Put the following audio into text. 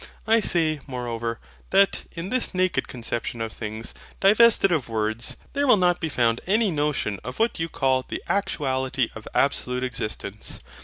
I say, moreover, that, in this naked conception of things, divested of words, there will not be found any notion of what you call the ACTUALITY OF ABSOLUTE EXISTENCE.